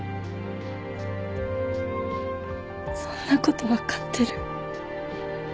そんなこと分かってる。